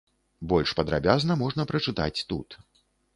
Больш падрабязна можна прачытаць тут.